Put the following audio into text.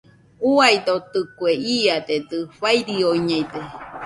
Uaidotɨkue, iadedɨ fairioñede.